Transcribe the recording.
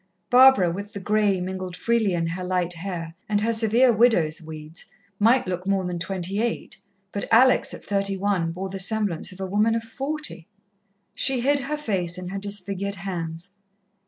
Barbara, with the grey mingled freely in her light hair, and her severe widow's weeds, might look more than twenty eight but Alex, at thirty one, bore the semblance of a woman of forty. She hid her face in her disfigured hands.